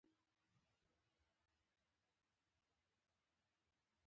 بیا پرې تاسې سترګې نه راډکوم.